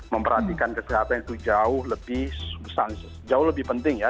memperhatikan kesehatan itu jauh lebih penting ya